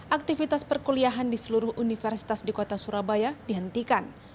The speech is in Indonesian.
aktivitas perkuliahan di seluruh universitas di kota surabaya dihentikan